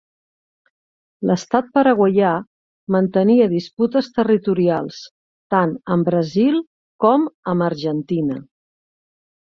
L'estat paraguaià mantenia disputes territorials tant amb Brasil com amb Argentina.